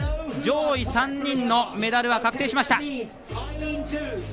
上位３人のメダルは確定しました。